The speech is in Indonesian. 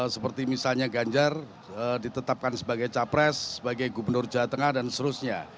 seperti misalnya ganjar ditetapkan sebagai capres sebagai gubernur jawa tengah dan seterusnya